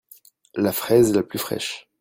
La fraise la plus fraîche.